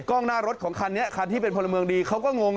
กล้องหน้ารถของคันนี้คันที่เป็นพลเมืองดีเขาก็งง